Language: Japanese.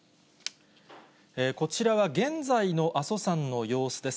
こちらは現在の阿蘇山の様子です。